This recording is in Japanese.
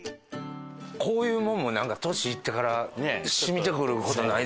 こういうものも年いってからしみてくる事ないですか？